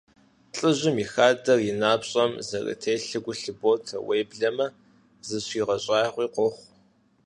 ЛӀыжьым и хадэр и напщӀэм зэрытелъым гу лъыботэ, уеблэмэ зыщигъэщӀагъуи къохъу.